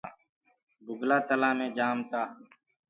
بُگلآ تلآ مي جآم تآ۔